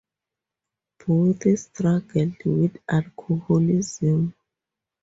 Both struggled with alcoholism.